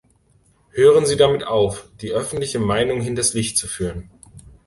Hören Sie damit auf, die öffentliche Meinung hinters Licht zu führen.